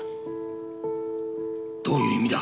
どういう意味だ？